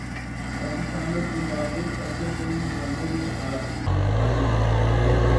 پاکستان اور زمبابوے فیصلہ کن ون ڈے میں اج مدمقابل